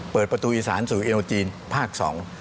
เปิดประตูอีสานสู่อินโอจีนภาคสอง